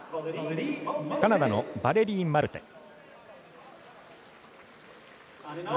カナダのバレリー・マルテ。